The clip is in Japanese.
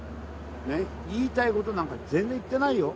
言いたいことなんか全然言ってないよ。